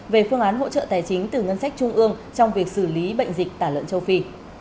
về phương án hỗ trợ tài chính từ ngân sách trung ương trong việc xử lý bệnh dịch tả lợn châu phi